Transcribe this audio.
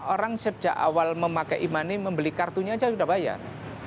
orang sejak awal memakai e money membeli kartunya aja sudah bayar